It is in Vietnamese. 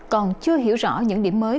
còn chưa hiểu rõ những điểm mới